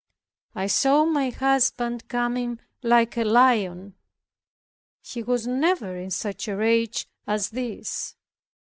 I saw my husband coming like a lion, he was never in such a rage as this.